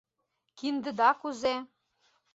Киндыда кузе?